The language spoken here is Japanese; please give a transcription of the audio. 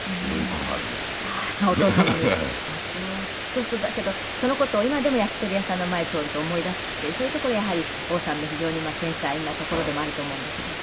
そうするとだけどその事を今でも焼き鳥屋さんの前通ると思い出すってそういうところやはり王さんの非常に繊細なところでもあると思うんだけど。